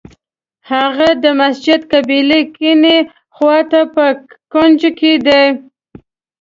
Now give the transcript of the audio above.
هغه د مسجد قبلې کیڼې خوا ته په کونج کې دی.